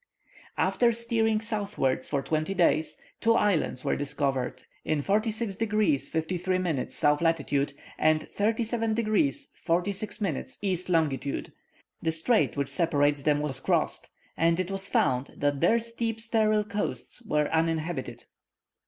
After steering southwards for twelve days, two islands were discovered in 46 degrees 53 minutes south latitude, and 37 degrees 46 minutes east longitude. The strait which separates them was crossed, and it was found that their steep sterile coasts were uninhabited.